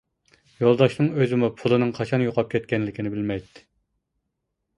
يولداشنىڭ ئۆزىمۇ پۇلىنىڭ قاچان يوقاپ كەتكەنلىكىنى بىلمەيتتى.